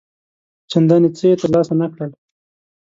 چنداني څه یې تر لاسه نه کړل.